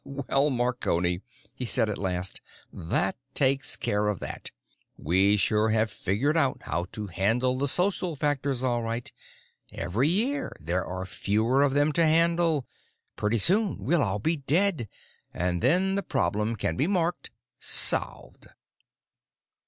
"Well, Marconi," he said at last, "that takes care of that! We sure have figured out how to handle the social factors, all right. Every year there are fewer of them to handle. Pretty soon we'll all be dead, and then the problem can be marked 'solved.